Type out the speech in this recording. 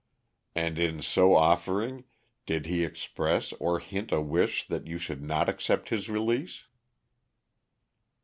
"And in so offering, did he express or hint a wish that you should not accept his release?"